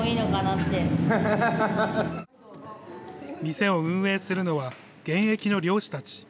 店を運営するのは、現役の猟師たち。